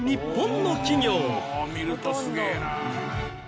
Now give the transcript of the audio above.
こう見るとすげえな。